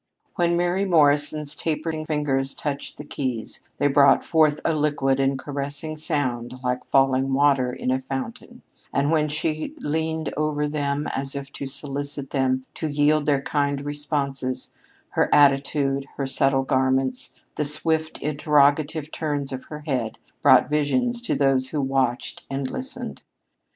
When Mary Morrison's tapering fingers touched the keys they brought forth a liquid and caressing sound like falling water in a fountain, and when she leaned over them as if to solicit them to yield their kind responses, her attitude, her subtle garments, the swift interrogative turns of her head, brought visions to those who watched and listened.